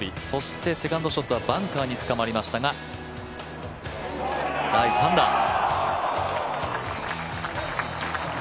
そして、セカンドショットはバンカーに捕まりましたが第３打。